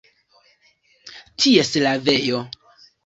Ties lavejo.